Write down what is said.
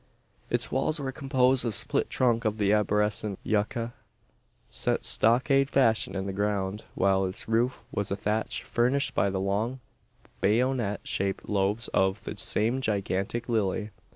Its walls were composed of split trunk of the arborescent yucca, set stockade fashion in the ground; while its roof was a thatch furnished by the long bayonet shaped loaves of the same gigantic lily.